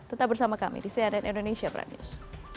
tetap bersama kami di cnn indonesia prime news